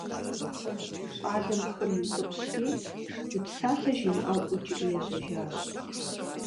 Щӏалэм хъыр иутӏыпщри, зы псалъэ жимыӏэу, ӏукӏри ежьэжащ.